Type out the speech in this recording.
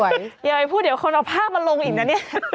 อย่าไปพูดเดี๋ยวคนเอาภาพมาลงอีกนะเนี่ย